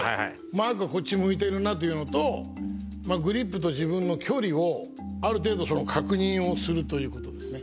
マークがこっち向いてるなというのとグリップと自分の距離をある程度確認をするということですね。